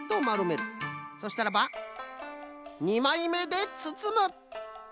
そしたらば２まいめでつつむ。